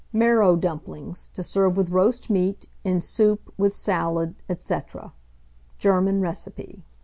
MARROW DUMPLINGS, to serve with Roast Meat, in Soup, with Salad, &c. (German Recipe.)